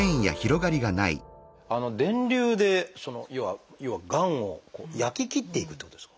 電流でその要はがんを焼き切っていくってことですか？